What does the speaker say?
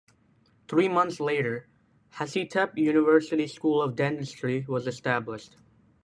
Three months later Hacettepe University School of Dentistry was established.